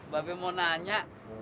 ba be mau nanya